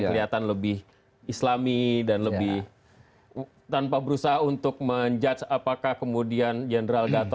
kelihatan lebih islami dan lebih tanpa berusaha untuk menjudge apakah kemudian general gatot